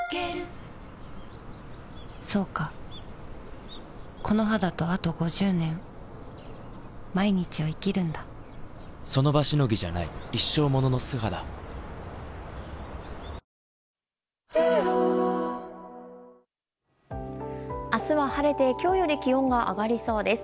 そうかこの肌とあと５０年その場しのぎじゃない一生ものの素肌明日は晴れて今日より気温が上がりそうです。